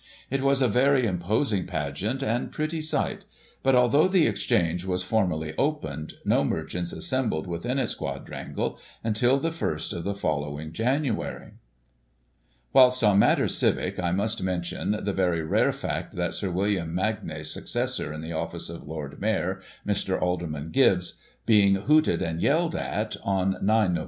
It was a very im posing pageant and pretty sight ; but, although the Exchange was formally opened, no merchants assembled within its quad rangle until the first of the following January. Whilst on matters civic I must mention the very rare fact of Sir William Magnay's successor in the office of Lord Mayor (Mr. Alderman Gibbs), being hooted and yelled at, on 9 Nov.